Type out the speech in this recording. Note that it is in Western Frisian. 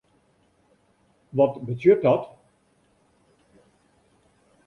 Wat betsjut dat?